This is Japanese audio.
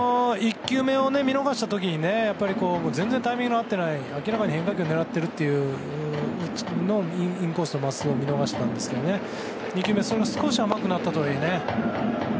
１球目を見逃した時に全然タイミングが合ってない明らかに変化球を狙っているというインコースの真っすぐの見逃しだったんですけど次に少し甘くなったとは言えね。